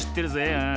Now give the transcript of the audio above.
ああ。